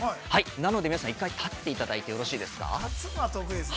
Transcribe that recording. なので、皆さん、立っていただいてよろしいですか。